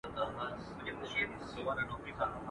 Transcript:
بر ئې سته، برکت ئې نسته.